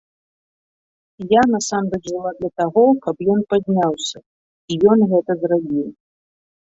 Я насамрэч жыла для таго, каб ён падняўся, і ён гэта зрабіў.